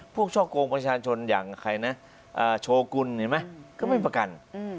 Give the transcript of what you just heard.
ช่อกงประชาชนอย่างใครนะโชกุลเห็นไหมก็ไม่ประกัน